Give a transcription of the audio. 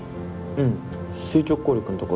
うん。